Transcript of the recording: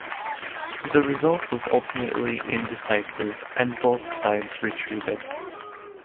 The result was ultimately indecisive and both sides retreated.